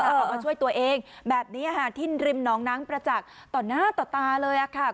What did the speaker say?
ออกมาช่วยตัวเองแบบนี้ค่ะที่ริมน้องนางประจักษ์ต่อหน้าต่อตาเลยค่ะ